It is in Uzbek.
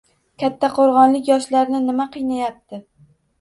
Kattaqo‘rg‘onlik yoshlarni nima qiynayapti?